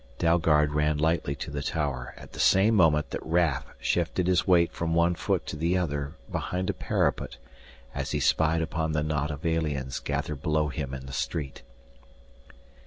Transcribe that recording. Dalgard ran lightly to the tower at the same moment that Raf shifted his weight from one foot to the other behind a parapet as he spied upon the knot of aliens gathered below him in the street....